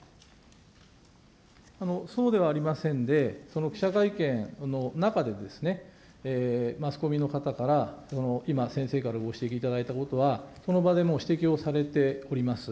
そうではありませんで、その記者会見の中で、マスコミの方から、今、先生からご指摘いただいたことは、その場でも指摘をさせていただいております。